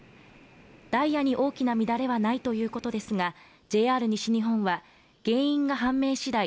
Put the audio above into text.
ダイヤに大きな乱れはないということですがＪＲ西日本は原因が判明しだい